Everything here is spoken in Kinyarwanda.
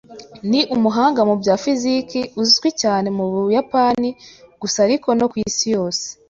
Ni umuhanga mu bya fiziki uzwi cyane mu Buyapani gusa, ariko no ku isi yose.